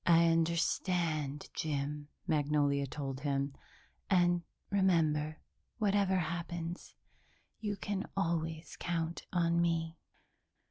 "I understand, Jim," Magnolia told him, "and, remember, whatever happens, you can always count on me."